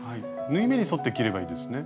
縫い目に沿って切ればいいですね？